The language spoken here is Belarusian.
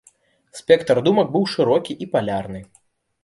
Спектр думак быў шырокі і палярны.